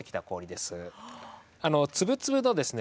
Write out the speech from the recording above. あの粒々のですね